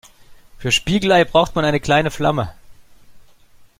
Für Spiegelei braucht man eine kleine Flamme.